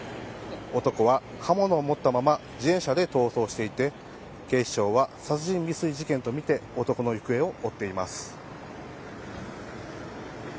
男は刃物を持ったまま自転車で逃走していて警視庁は殺人未遂事件とみて男の行方を追っています。